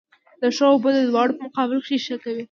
د ښو او بدو دواړو په مقابل کښي ښه کوئ!